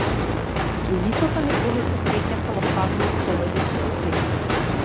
Ѕуницата не донесе среќа, само тажни исповеди, солзи.